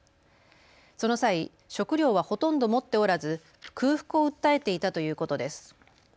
その際、食料はほとんど持っておらず空腹を訴えていたということです。